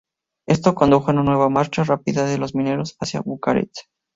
Esto condujo a una nueva marcha rápida de los mineros hacia Bucarest.